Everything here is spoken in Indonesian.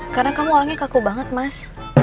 karena kamu orangnya kaku banget mas